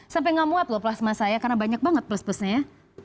sampai gak muat loh plasma saya karena banyak banget plus plusnya ya